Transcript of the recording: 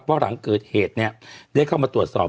ว่าหลังเกิดเหตุเนี่ยได้เข้ามาตรวจสอบ